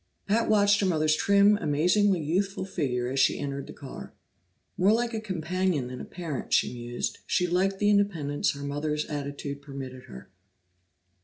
Pat watched her mother's trim, amazingly youthful figure as she entered the car. More like a companion than a parent, she mused; she liked the independence her mother's attitude permitted her.